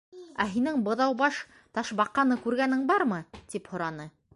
— Ә һинең Быҙаубаш Ташбаҡаны күргәнең бармы? — тип һораны.